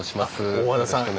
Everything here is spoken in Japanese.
大和田さん。